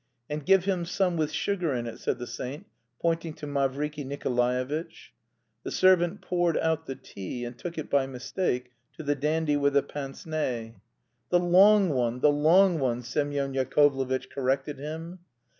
"And give him some with sugar in it," said the saint, pointing to Mavriky Nikolaevitch. The servant poured out the tea and took it by mistake to the dandy with the pince nez. "The long one, the long one!" Semyon Yakovlevitch corrected him.